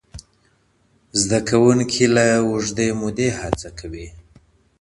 زده کوونکي له اوږدې مودې هڅه کوي.